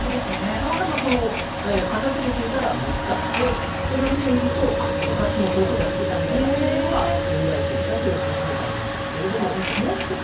たまたま片づけていたら見つかってそれを見てみると昔もこういうことをやっていたんだなというのがよみがえってきたという話みたいなんですがもう１つ